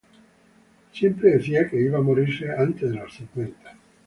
El siempre decía que iba a morirse antes de los cincuenta.